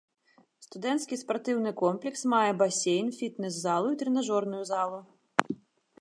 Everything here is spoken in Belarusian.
Студэнцкі спартыўны комплекс мае басейн, фітнес-залу і трэнажорную залу.